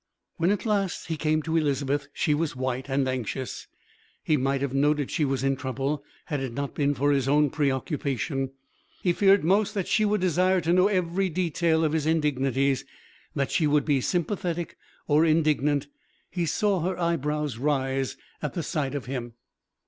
When at last he came to Elizabeth, she was white and anxious. He might have noted she was in trouble, had it not been for his own preoccupation. He feared most that she would desire to know every detail of his indignities, that she would be sympathetic or indignant. He saw her eyebrows rise at the sight of him.